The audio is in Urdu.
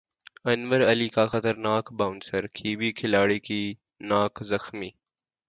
انور علی کا خطرناک بانسر کیوی کھلاڑی کی نکھ زخمی